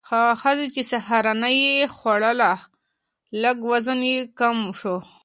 هغه ښځې چې سهارنۍ یې خوړله، لږ وزن یې کم شو.